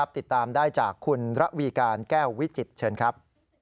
ติดตามได้จากคุณระวีการแก้ววิจิตรเชิญครับ